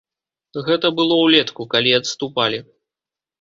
Гэта было ўлетку, калі адступалі.